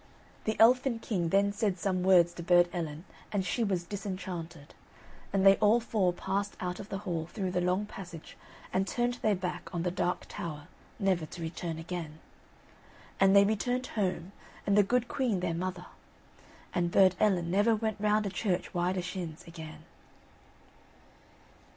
The Elfin king then said some words to Burd Ellen, and she was disenchanted, and they all four passed out of the hall, through the long passage, and turned their back on the Dark Tower, never to return again. And they reached home, and the good queen, their mother, and Burd Ellen never went round a church widershins again.